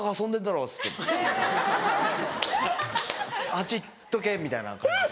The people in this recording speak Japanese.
・あっち行っとけ！みたいな感じで。